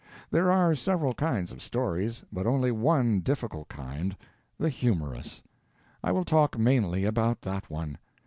There are several kinds of stories, but only one difficult kind the humorous. I will talk mainly about that one.